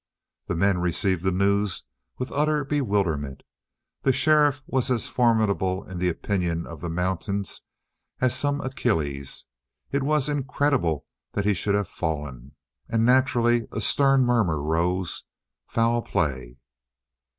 The men received the news with utter bewilderment. The sheriff was as formidable in the opinion of the mountains as some Achilles. It was incredible that he should have fallen. And naturally a stern murmur rose: "Foul play!"